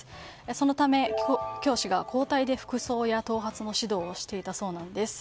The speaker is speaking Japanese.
そのため、教師が交代で服装や頭髪の指導をしていたそうです。